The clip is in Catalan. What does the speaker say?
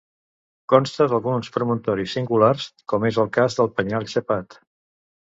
Consta d'alguns promontoris singulars, com és el cas del Penyal Xapat.